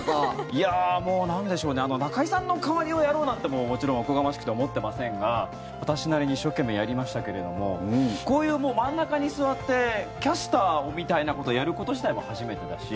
いやあ、もうなんでしょう中居さんの代わりをやろうなんてもちろん、おこがましくて思ってませんが私なりに一生懸命やりましたけれどもこういう、真ん中に座ってキャスターみたいなことをやること自体も初めてだし。